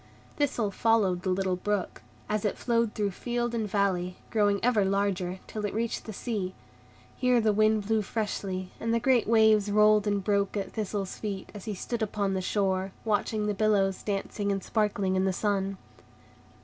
Thistle followed the little brook, as it flowed through field and valley, growing ever larger, till it reached the sea. Here the wind blew freshly, and the great waves rolled and broke at Thistle's feet, as he stood upon the shore, watching the billows dancing and sparkling in the sun.